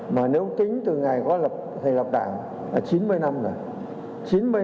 mà nếu tính từ ngày có thầy lập đảng là chín mươi năm rồi